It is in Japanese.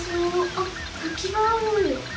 あったきがある！